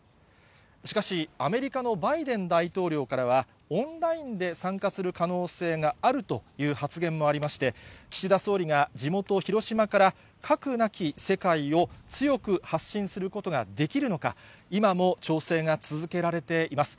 しかし、アメリカのバイデン大統領からは、オンラインで参加する可能性があるという発言もありまして、岸田総理が地元、広島から、核なき世界を強く発信することができるのか、今も調整が続けられています。